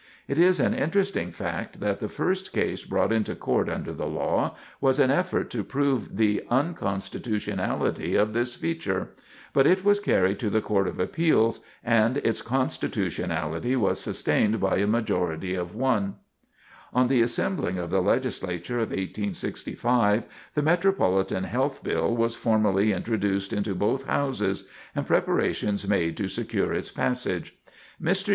It is an interesting fact that the first case brought into court under the law was an effort to prove the unconstitutionality of this feature; but it was carried to the Court of Appeals, and its constitutionality was sustained by a majority of one. [Sidenote: Introduction of an Epoch Making Bill] On the assembling of the Legislature of 1865 the Metropolitan Health Bill was formally introduced into both houses, and preparations made to secure its passage. Mr.